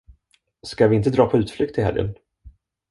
Ska vi inte dra på utflykt i helgen?